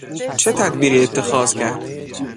چه تدبیری اتخاذ کرد؟